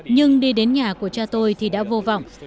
nhưng đi đến nhà của cha tôi thì đã vô vọng